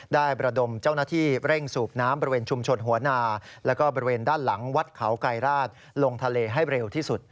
ประดมเจ้าหน้าที่เร่งสูบน้ำบริเวณชุมชนหัวนาแล้วก็บริเวณด้านหลังวัดเขาไกรราชลงทะเลให้เร็วที่สุด